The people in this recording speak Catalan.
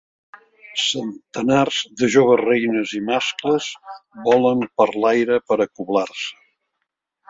Centenars de joves reines i mascles volen per l'aire per acoblar-se.